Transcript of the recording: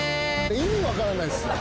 意味分からないっす。